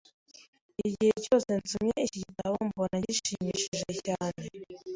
Igihe cyose nsomye iki gitabo, mbona gishimishije cyane.